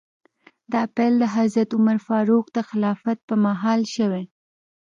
دا پیل د حضرت عمر فاروق د خلافت په مهال شوی.